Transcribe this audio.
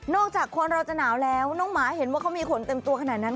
จากคนเราจะหนาวแล้วน้องหมาเห็นว่าเขามีขนเต็มตัวขนาดนั้น